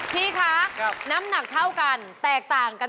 พี่คะน้ำหนักเท่ากันแตกต่างกัน